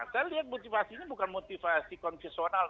saya lihat motivasinya bukan motivasi konfesional